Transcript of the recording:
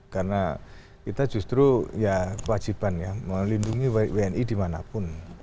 karena kita justru ya kewajiban ya melindungi wni dimanapun